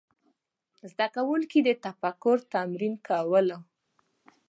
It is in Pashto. زده کوونکي د تفکر تمرین کول.